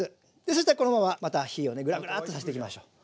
そしたらこのまままた火をグラグラーッとさせていきましょう。